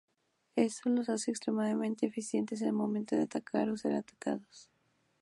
Esto los hace extremadamente eficientes en el momento de atacar o ser atacados.